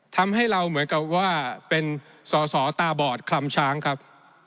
ทำให้เราเหมือนกับว่าเป็นสอสอตาบอดคลำช้างครับ